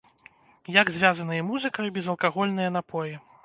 Як звязаная музыка і безалкагольныя напоі?